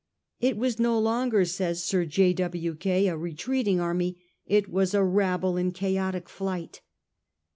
* It was no longer,' says Sir J. W. Kaye, ' a retreat ing army ; it was a rabble in chaotic flight.